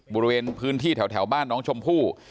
บริเวณพื้นที่แถวบ้านน้องชมพู่